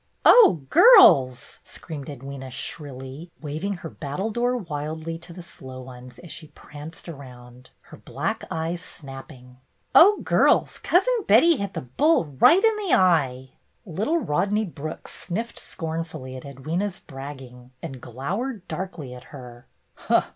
''Oh, girls," screamed Edwyna, shrilly, waving her battledore wildly to the slow ones as she pranced around, her black eyes snap ping, "oh, girls. Cousin Betty hit the bull right in the eye !" Little Rodney Brooks sniffed scornfully at Edwyna's bragging, and glowered darkly at her.